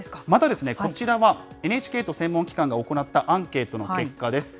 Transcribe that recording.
またこちらは、ＮＨＫと専門機関が行ったアンケートの結果です。